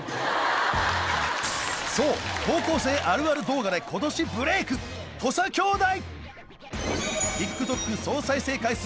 そう高校生あるある動画で今年ブレイク土佐兄弟